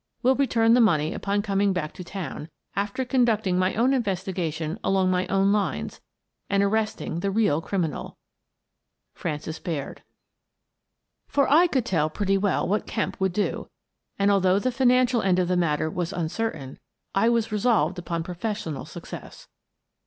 Will return the money upon coming back to town, after conducting my own investiga tion along my own lines and arresting the real criminal. " Frances Baird." For I could tell pretty well what Kemp would do, and though the financial end of the matter was uncertain, I was resolved upon professional suc cess.